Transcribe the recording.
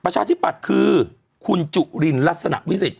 ประชาธิปัตพ์คือคุณจุลินลัสสนัปวิสิก